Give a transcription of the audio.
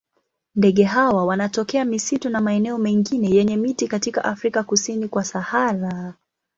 Ndege hawa wanatokea misitu na maeneo mengine yenye miti katika Afrika kusini kwa Sahara.